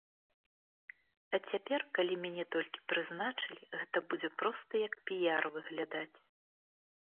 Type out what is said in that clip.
А цяпер, калі мяне толькі прызначылі, гэта будзе проста як піяр выглядаць.